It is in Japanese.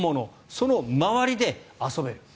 その周りで遊べる。